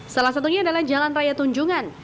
salah satunya adalah jalan raya tunjungan